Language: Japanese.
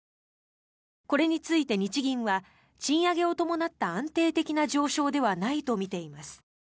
これについて日銀は賃上げを伴った安定的な上昇ではないとみています。